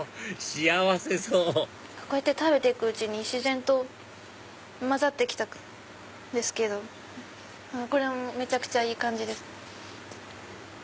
幸せそうこうやって食べて行くうちに自然と混ざって来たんですけどこれもめちゃくちゃいい感じです。